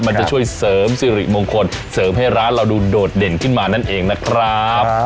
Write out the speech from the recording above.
มันจะช่วยเสริมสิริมงคลเสริมให้ร้านเราดูโดดเด่นขึ้นมานั่นเองนะครับ